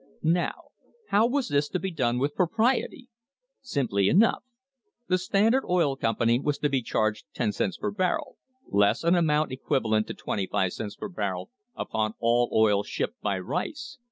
f Now, how was this to be done "with propriety"? Simply enough. The Standard Oil Company was to be charged ten cents per barrel, less an amount equivalent to twenty five cents per barrel upon all oil shipped by Rice.